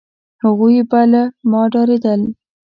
هغوی به له ما ډارېدل،